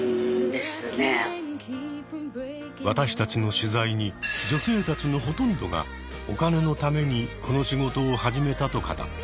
私たちの取材に女性たちのほとんどがお金のためにこの仕事を始めたと語った。